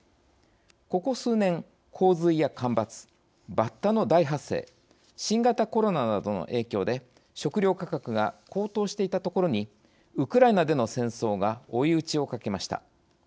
ここ数年、洪水や干ばつバッタの大発生新型コロナなどの影響で食糧価格が高騰していたところにウクライナでの戦争が追い打ちをかけました。